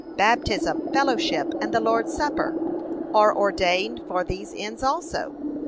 Baptism, fellowship, and the Lord's supper, are ordained for these ends also.